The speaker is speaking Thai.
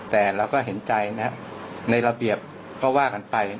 แต่เราก็เห็นใจนะในระเบียบก็ว่ากันไป